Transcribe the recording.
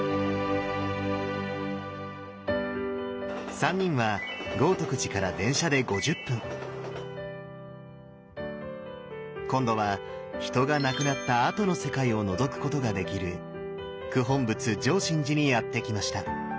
３人は豪徳寺から電車で５０分今度は人が亡くなったあとの世界をのぞくことができる九品仏淨眞寺にやって来ました。